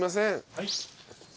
はい。